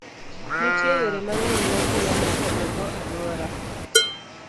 Nitie yore mang'eny ma ji nyalo kethogo alwora.